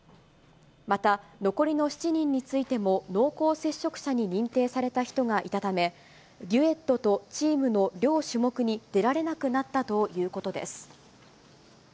また、残りの７人についても、濃厚接触者に認定された人がいたため、デュエットとチームの両種目に出られなくなったということです。